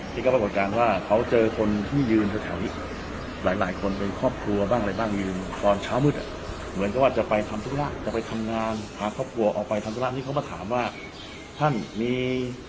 ที่ก็ปรากฏการณ์ว่าเขาเจอคนที่ยืนแถวอีกหลายหลายคนเป็นครอบครัวบ้างอะไรบ้างมีตอนเช้ามืดอ่ะเหมือนกับว่าจะไปทำธุระจะไปทำงานพาครอบครัวออกไปทำธุระนี่เขามาถามว่าท่านมี